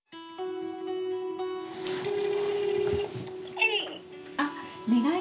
☎☎はい。